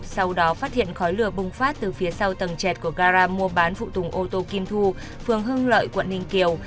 sau đó phát hiện khói lửa bùng phát từ phía sau tầng chẹt của gara mua bán phụ tùng ô tô kim thu phường hưng lợi quận ninh kiều